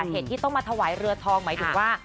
เหตุที่ต้องมาถวายเรือทองหมายถึงว่า